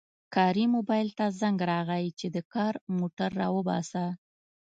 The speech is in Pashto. کاري موبایل ته زنګ راغی چې د کار موټر راوباسه